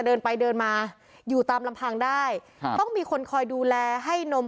เดินไปเดินมาอยู่ตามลำพังได้ครับต้องมีคนคอยดูแลให้นม